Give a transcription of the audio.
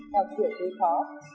và kiểu thứ khó